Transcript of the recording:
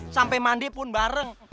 sampai mandi pun bareng